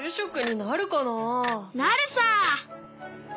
なるさ！